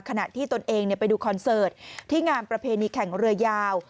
ขณะที่ตนเองไปดูคอนเสิร์ตที่งานประเพณีแข่งเรือยาว